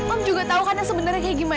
om juga tau kan yang sebenernya kayak gimana